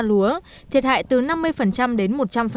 lúa thiệt hại từ năm mươi đến một trăm linh